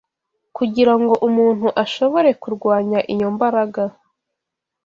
Kugira ngo umuntu ashobore kurwanya iyo mbaraga